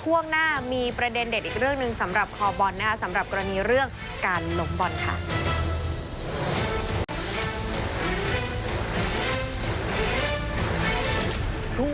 ช่วงหน้ามีประเด็นเด็ดอีกเรื่องหนึ่ง